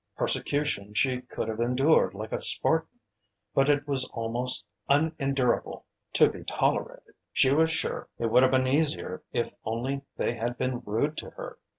Persecution she could have endured like a Spartan; but it was almost unendurable to be tolerated. She was sure it would have been easier if only they had been rude to her.